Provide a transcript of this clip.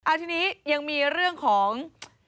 ทีนี้ยังมีเรื่องของ